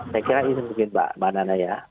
saya kira ini mungkin mbak nana ya